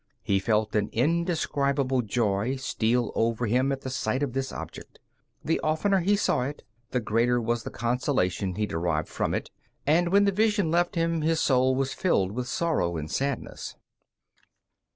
He felt an indescribable joy steal over him at the sight of this object. The oftener he saw it, the greater was the consolation he derived from it, and when the vision left him, his soul was filled with sorrow and sadness.